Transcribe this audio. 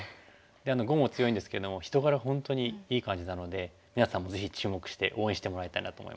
で碁も強いんですけども人柄本当にいい感じなので皆さんもぜひ注目して応援してもらいたいなと思います。